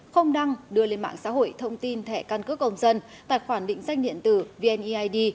không đăng đưa lên mạng xã hội thông tin thẻ căn cước công dân tài khoản định danh điện tử vneid